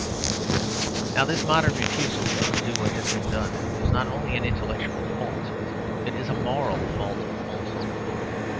Now this modern refusal to undo what has been done is not only an intellectual fault; it is a moral fault also.